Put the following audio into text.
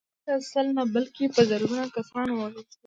هلته سل نه بلکې په زرګونه کسان ووژل شول